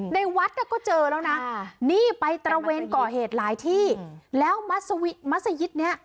ในวัดน่ะก็เจอแล้วนะนี่ไปตระเวนก่อเหตุหลายที่แล้วมัศยิตเนี้ย